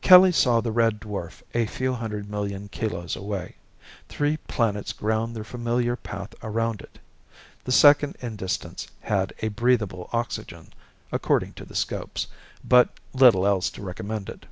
Kelly saw the red dwarf a few hundred million kilos away. Three planets ground their familiar path around it. The second in distance had a breathable oxygen, according to the scopes, but little else to recommend it.